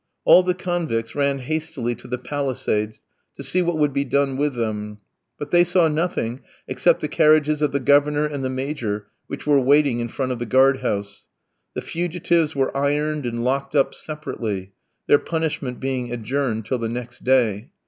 All the convicts ran hastily to the palisades to see what would be done with them; but they saw nothing except the carriages of the Governor and the Major, which were waiting in front of the guard house. The fugitives were ironed and locked up separately, their punishment being adjourned till the next day.